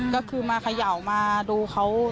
ก็คือมาเขย่ามาดูเขา